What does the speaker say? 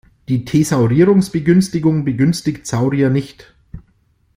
Die Thesaurierungsbegünstigung begünstigt Saurier nicht.